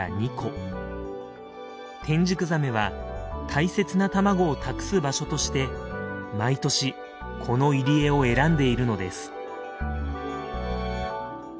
テンジクザメは大切な卵を託す場所として毎年この入り江を選んでいるのです。